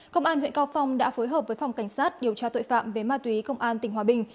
công an huyện cao phong đã phối hợp với phòng cảnh sát điều tra tội phạm về ma túy công an tỉnh hòa bình